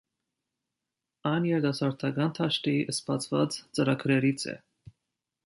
Այն երիտասարդական դաշտի սպասված ծրագրերից է։